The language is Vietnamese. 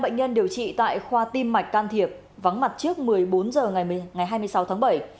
một mươi năm bệnh nhân điều trị tại khoa tim mạch can thiệp vắng mặt trước một mươi bốn h ngày hai mươi sáu tháng bảy